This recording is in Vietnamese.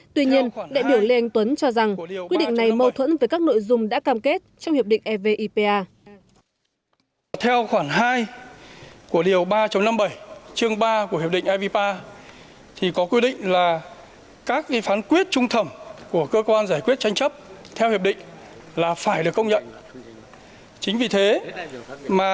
tuy nhiên đại biểu lê anh tuấn cho rằng quyết định này mâu thuẫn với các nội dung đã cam kết trong hiệp định evipa